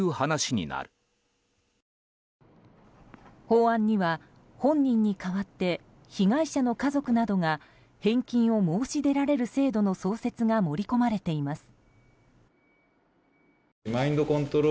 法案には本人に代わって被害者の家族などが返金を申し出られる制度の創設が盛り込まれています。